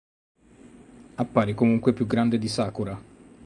Appare comunque più grande di Sakura.